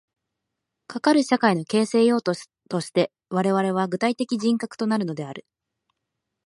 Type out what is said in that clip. かかる社会の形成要素として我々は具体的人格となるのである。